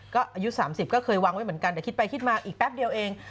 ก็อายุ๓๐ก็เคยวางไว้เหมือนกันแต่คิดไปคิดมาอีกแป๊บเดียวเอง